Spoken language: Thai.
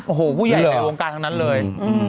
โอ้โหผู้ใหญ่ในวงการทั้งนั้นเลย